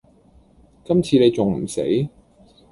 今次你仲唔死